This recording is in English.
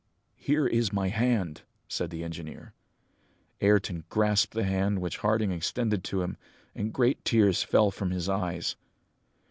"Here is my hand!" said the engineer. Ayrton grasped the hand which Harding extended to him, and great tears fell from his eyes.